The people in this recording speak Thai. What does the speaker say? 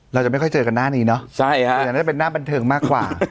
เราจะไม่ค่อยเจอกันหน้านี้เนอะอันนั้นจะเป็นหน้าบันเทิงมากกว่า